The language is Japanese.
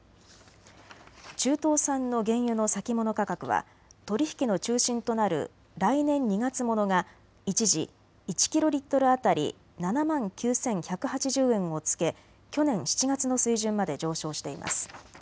中東産の原油の先物価格は取り引きの中心となる来年２月ものが一時１キロリットル当たり７万９１８０円をつけ去年７月の水準まで上昇しています。